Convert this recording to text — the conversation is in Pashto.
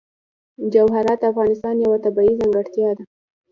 جواهرات د افغانستان یوه طبیعي ځانګړتیا ده.